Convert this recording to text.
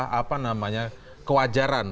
katakanlah sebuah kewajaran